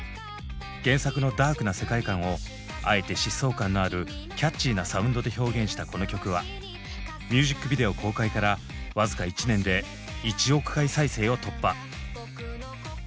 原作のダークな世界観をあえて疾走感のあるキャッチーなサウンドで表現したこの曲はミュージックビデオ公開から僅か１年で１億回再生を突破。